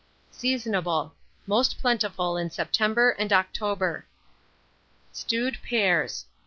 Seasonable. Most plentiful in September and October. STEWED PEARS.